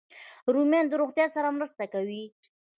رومیان د روغتیا سره مرسته کوي